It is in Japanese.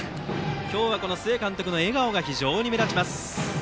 今日は須江監督の笑顔が非常に目立ちます。